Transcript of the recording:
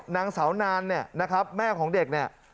นางสาวนานเนี่ยนะครับแม่ของเด็กเนี่ย